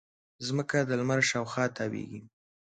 مځکه د لمر شاوخوا تاوېږي.